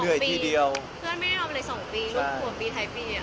เพื่อนไม่ได้นอนไปเลย๒ปีลูกกลัวปีไทยปี